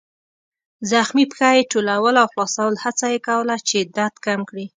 زخمي پښه يې ټولول او خلاصول، هڅه یې کوله چې درد کم کړي.